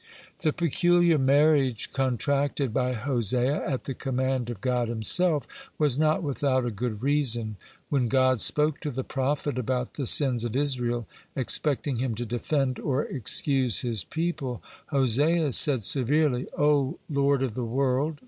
(22) The peculiar marriage contracted by Hosea at the command of God Himself was not without a good reason. When God spoke to the prophet about the sins of Israel, expecting him to defend or excuse his people, Hosea said severely: "O Lord of the world!